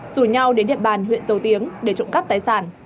rủ nhau đến địa bàn huyện dầu tiếng để trộm cắp tài sản